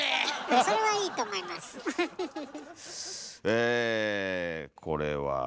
えこれは。